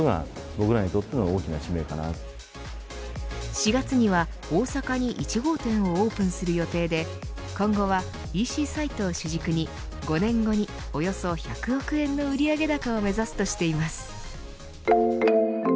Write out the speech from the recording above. ４月には大阪に１号店をオープンする予定で今後はＥＣサイトを主軸に５年後におよそ１００億円の売上高を目指すとしています。